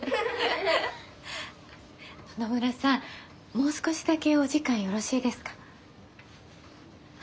もう少しだけお時間よろしいですか？